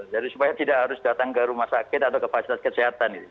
jadi supaya tidak harus datang ke rumah sakit atau ke pasir kesehatan